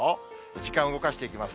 時間動かしていきます。